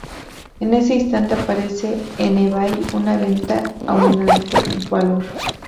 En ese instante aparece en ebay una venta a un alto valor.